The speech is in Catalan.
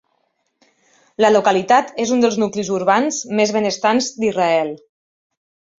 La localitat és un dels nuclis urbans més benestants d'Israel.